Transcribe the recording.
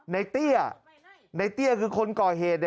เตี้ยในเตี้ยคือคนก่อเหตุ